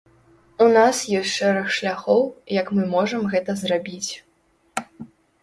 У нас ёсць шэраг шляхоў, як мы можам гэта зрабіць.